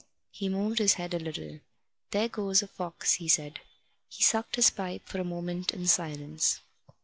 He moved his head a little. "There goes a fox," he said. He sucked his pipe for a moment in silence.